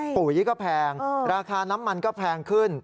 ปุ๋ยก็แพงราคาน้ำมันก็แพงขึ้น